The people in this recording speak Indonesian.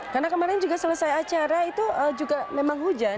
karena kemarin juga selesai acara itu juga memang hujan